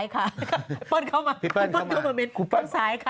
ข้างซ้ายค่ะพี่เปิ้ลเข้ามาข้างซ้ายค่ะ